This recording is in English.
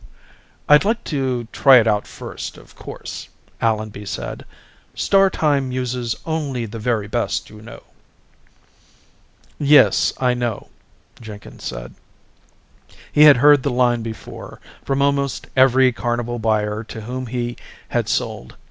"I'd like to try it out first, of course," Allenby said. "Star Time uses only the very best, you know." "Yes, I know," Jenkins said. He had heard the line before, from almost every carnival buyer to whom he had sold.